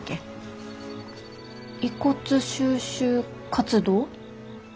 遺骨収集活動？